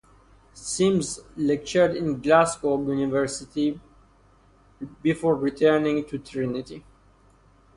Simms lectured in Glasgow University before returning to Trinity.